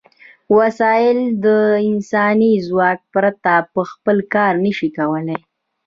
وسایل د انساني ځواک پرته په خپله کار نشي کولای.